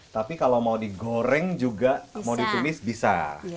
tapi kalau mau digoreng juga mau ditumis bisa